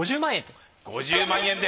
５０万円で。